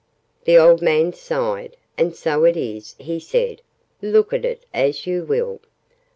The old man sighed. "And so it is," he said, "look at it as you will.